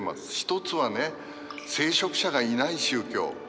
一つはね聖職者がいない宗教。